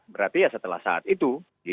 berarti ya setelah saat itu